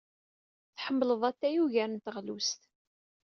Tḥemmled atay ugar n teɣlust.